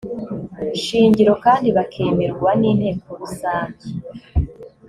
nshingiro kandi bakemerwa n inteko rusange